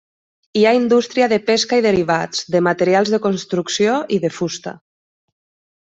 Hi ha indústria de pesca i derivats, de materials de construcció i de fusta.